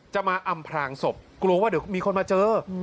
มาอำพลางศพกลัวว่าเดี๋ยวมีคนมาเจอ